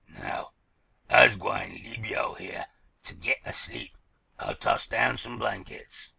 Now, Ah's gwine leab yo' heah t' git a sleep. Ah'll toss down some blankets.